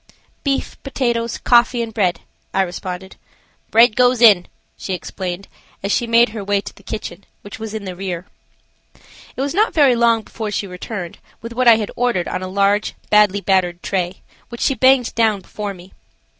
"Beef, potatoes, coffee and bread," I responded. "Bread goes in," she explained, as she made her way to the kitchen, which was in the rear. It was not very long before she returned with what I had ordered on a large, badly battered tray, which she banged down before me.